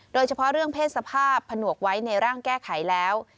โดยเฉพาะเรื่องเพศสภาพผนวกไว้ในร่างแก้ไขแล้ว